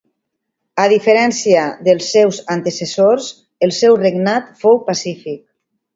A diferència dels seus antecessors el seu regnat fou pacífic.